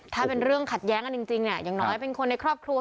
ถ้าเป็นเรื่องขัดแย้งกันจริงเนี่ยอย่างน้อยเป็นคนในครอบครัว